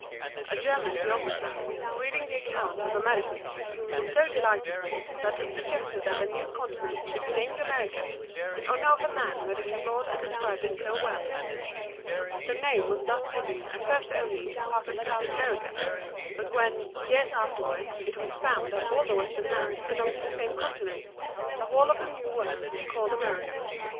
A German geographer, reading the account of Americus, was so delighted with it that he suggested that the new continent should be named America, in honor of the man who had explored and described it so well. The name was thus given at first only to part of South America; but when, years afterwards, it was found that all the western lands belonged to the same continent, the whole of the New World was called America.